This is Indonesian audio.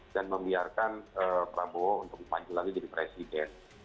dan membiarkan prabowo untuk panjulah jadi presiden